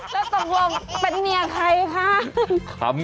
แล้วตรงตัวเป็นเมียใครคะ